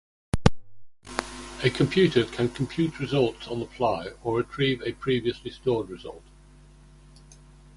A computer can compute results on the fly, or retrieve a previously stored result.